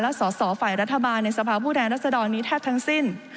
และสอสอฝ่ายรัฐบาลในสภาพผู้แทนรัศดรนี้แทบทั้งสิ้น